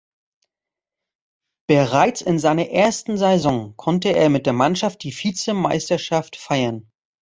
Bereits in seiner ersten Saison konnte er mit der Mannschaft die Vizemeisterschaft feiern.